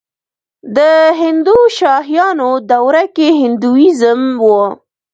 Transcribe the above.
د هندوشاهیانو دوره کې هندویزم و